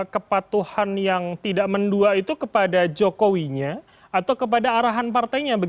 kepatuhan yang tidak mendua itu kepada jokowinya atau kepada arahan partainya